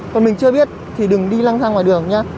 còn mình chưa biết thì đừng đi lăng ra ngoài đường nhé